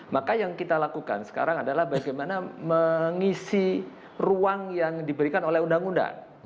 maka yang kita lakukan sekarang adalah bagaimana mengisi ruang yang diberikan oleh undang undang